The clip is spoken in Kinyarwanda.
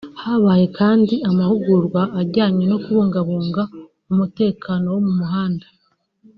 Habaye kandi amahugurwa ajyanye no kubungabunga umutekano wo mu muhanda